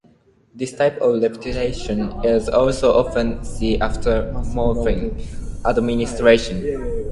This type of respiration is also often seen after morphine administration.